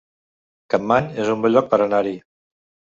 Capmany es un bon lloc per anar-hi